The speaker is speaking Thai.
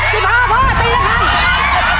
สิบห้าพอตีละครับ